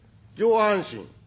上半身。